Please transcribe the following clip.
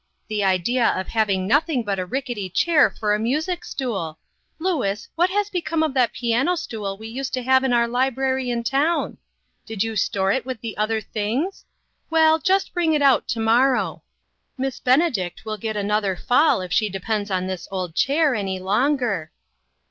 The idea of having nothing but a rickety chair for a music stool ! Louis, what has become of that piano stool we used to have in our library in town ? Did you store it with the other things? Well, just bring it out to morrow. Miss Benedict will get another fall if she depends on this old chair any longer.